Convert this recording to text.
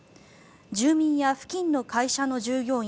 住民や付近の会社の従業員